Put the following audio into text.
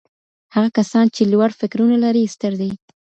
هغه کسان چي لوړ فکرونه لري ستر دي.